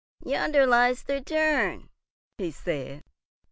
"Yonder lies the tarn," he said.